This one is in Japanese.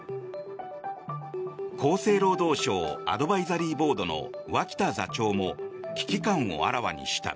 厚生労働省アドバイザリーボードの脇田座長も危機感をあらわにした。